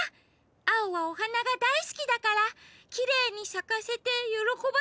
アオはおはながだいすきだからきれいにさかせてよろこばせたかったのに。